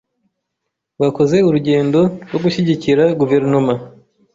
Bakoze urugendo rwo gushyigikira guverinoma.